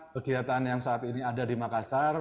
kegiatan yang saat ini ada di makassar